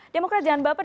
demokrat jangan baper